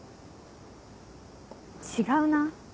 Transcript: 違うな。